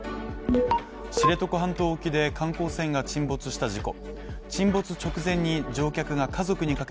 知床半島沖で観光船が沈没した事故。